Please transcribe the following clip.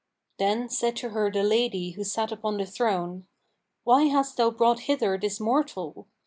Then said to her the lady who sat upon the throne, 'Why hast thou brought hither this mortal?'